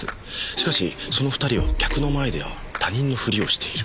しかしその２人は客の前では他人のふりをしている。